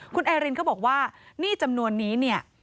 คุณไอรินเขาบอกว่าหนี้จำนวนนี้เนี่ย